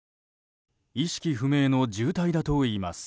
意識不明の重体だといいます。